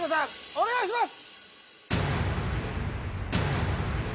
お願いします。